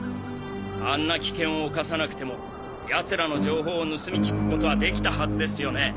あんな危険を冒さなくても奴らの情報を盗み聞くことはできたはずですよね？